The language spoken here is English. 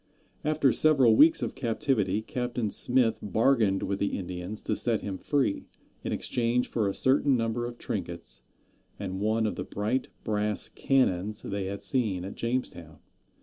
After several weeks of captivity Captain Smith bargained with the Indians to set him free, in exchange for a certain number of trinkets and one of the bright brass cannons they had seen at Jamestown.